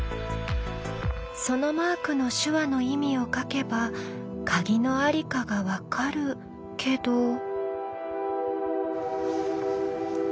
そのマークの手話の意味を書けばカギの在りかが分かるけど。